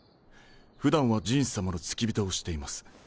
普段は壬氏さまの付き人をしています。